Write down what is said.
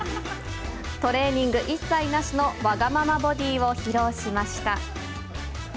トレーニング一切なしのわがままボディーを披露しました。